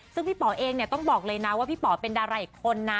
ซึ่งพี่ป๋อเองเนี่ยต้องบอกเลยนะว่าพี่ป๋อเป็นดาราอีกคนนะ